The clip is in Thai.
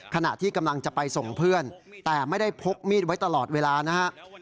ขณะที่กำลังจะไปส่งเพื่อนแต่ไม่ได้พกมีดไว้ตลอดเวลานะฮะ